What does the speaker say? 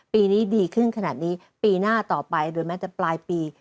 ปีนี้ดีขึ้นขนาดนี้ปีหน้าต่อไปโดยแม้แต่ปลายปี